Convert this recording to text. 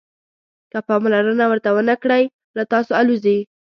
که پاملرنه ورته ونه کړئ له تاسو الوزي.